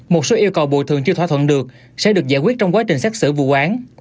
một số yêu cầu bồi thường chưa thỏa thuận được sẽ được giải quyết trong quá trình xác xử vụ án